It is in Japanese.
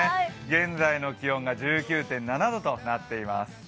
現在の気温が１９．７度となっています。